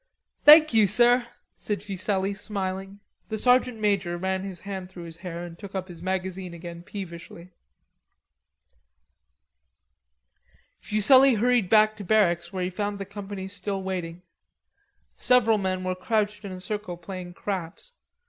"Thank you, sir," said Fuselli, smiling. The sergeant major ran his hand through his hair and took up his magazine again peevishly. Fuselli hurried back to barracks where he found the company still waiting. Several men were crouched in a circle playing craps.